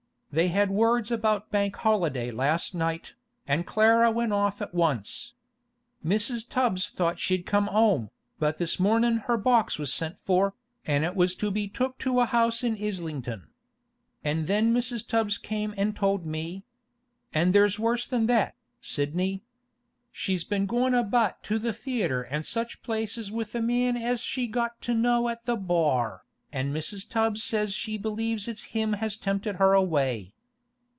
They had words about Bank holiday last night, an' Clara went off at once. Mrs. Tubbs thought she'd come 'ome, but this mornin' her box was sent for, an' it was to be took to a house in Islington. An' then Mrs. Tubbs came an' told me. An' there's worse than that, Sidney. She's been goin' about to the theatre an' such places with a man as she got to know at the bar, an' Mrs. Tubbs says she believes it's him has tempted her away.